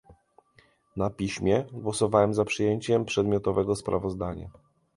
na piśmie - Głosowałam za przyjęciem przedmiotowego sprawozdania